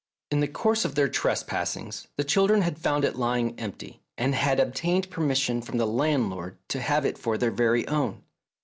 In the course of their trespassings the chil A SECRET SOCIETY 157 dren had found it lying empty, and had obtained permission from the landlord to have it for their very own.